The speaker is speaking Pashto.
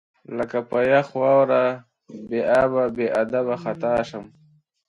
لکه په یخ واوره بې ابه، بې ادب خطا شم